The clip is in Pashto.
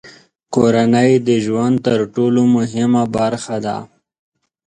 کورنۍ د ژوند تر ټولو مهمه برخه ده.